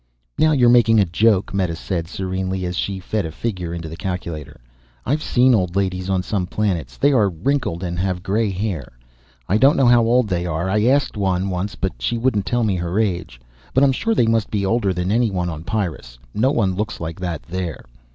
"Now you're making a joke," Meta said serenely as she fed a figure into the calculator. "I've seen old ladies on some planets. They are wrinkled and have gray hair. I don't know how old they are, I asked one but she wouldn't tell me her age. But I'm sure they must be older than anyone on Pyrrus, no one looks like that there."